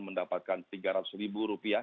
mendapatkan tiga ratus rupiah